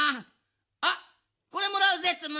あっこれもらうぜツム！